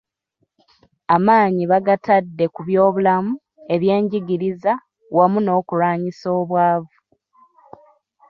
Amaanyi bagatadde ku byobulamu, ebyenjigiriza wamu n'okulwanyisa obwavu.